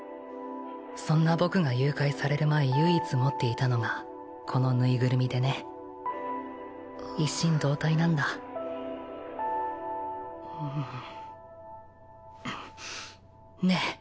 そんな僕が誘拐される前唯一持っていたのがこのぬいぐるみでね一心同体なんだねえ